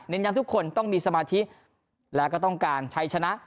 ย้ำทุกคนต้องมีสมาธิแล้วก็ต้องการใช้ชนะ